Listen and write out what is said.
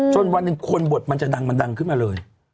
จนวันหนึ่งคนบทมันจะดังขึ้นมาเลย